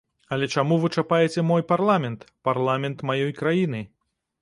Але чаму вы чапаеце мой парламент, парламент маёй краіны?